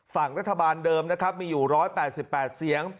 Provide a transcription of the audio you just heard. ฝั่งรัฐบาลเดิมนะครับมีอยู่๑๘๘เสียง